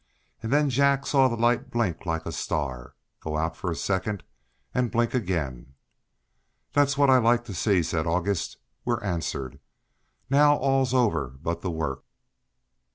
and then Jack saw the light blink like a star, go out for a second, and blink again. "That's what I like to see," said August. "We're answered. Now all's over but the work."